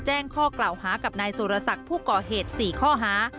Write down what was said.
แจ้งข้อกล่าวหากับนายสุรศักดิ์ผู้ก่อเหตุ๔ข้อหา